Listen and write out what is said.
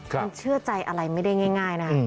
มันเชื่อใจอะไรไม่ได้ง่ายนะ